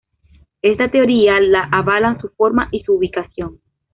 Está teoría la avalan su forma y su ubicación.